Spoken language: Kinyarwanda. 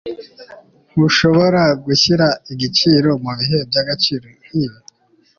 ntushobora gushyira igiciro mubihe byagaciro nkibi